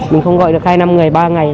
mình không gọi được hai năm người ba ngày